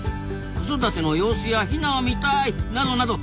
「子育ての様子やヒナを見たい」などなど。